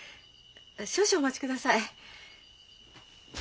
少々お待ちください。